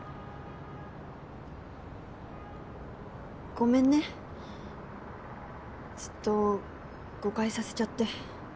ごめんねずっと誤解させちゃって。